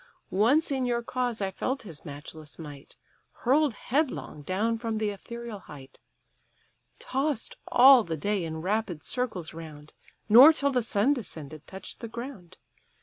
Once in your cause I felt his matchless might, Hurl'd headlong down from the ethereal height; Toss'd all the day in rapid circles round, Nor till the sun descended touch'd the ground.